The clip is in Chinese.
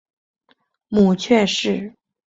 母翟氏。